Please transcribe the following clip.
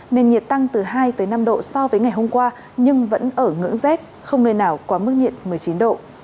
nền nhiệt tăng từ hai tới năm độ so với ngày hôm qua nhưng vẫn ở ngưỡng rét không nơi nào quá mức nhiệt một mươi chín độ